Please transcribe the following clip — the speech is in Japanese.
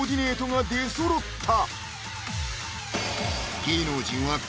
わぁ出そろった！